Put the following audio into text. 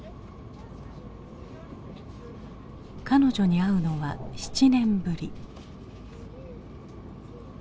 彼女に会うのは７年ぶり。